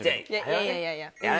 いやいやいやいや。